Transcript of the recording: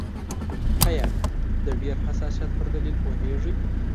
آیا د ډېر حساسیت پر دلیل پوهیږئ؟